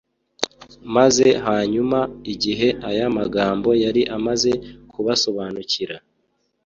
Maze hanyuma igihe aya magambo yari amaze kubasobanukira,